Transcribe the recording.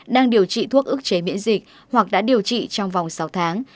đang điều trị thuốc ức chế miễn dịch hoặc đã điều trị trong vòng sáu tháng